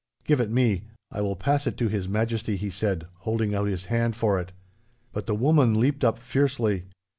'Give it me. I will pass it to His Majesty,' he said, holding out his hand for it. But the woman leaped up fiercely.